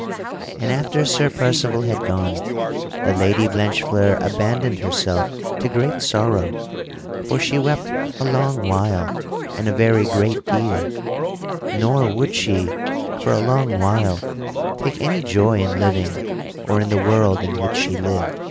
And after Sir Percival had gone, the Lady Blanchefleur abandoned herself to great sorrow, for she wept a long while and a very great deal; nor would she, for a long while, take any joy in living or in the world in which she lived.